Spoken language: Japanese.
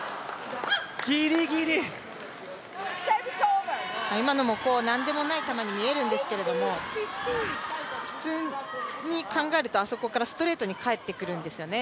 ぎりぎり今のもなんでもない球に見えるんですけど普通に考えるとあそこからストレートに返ってくるんですよね。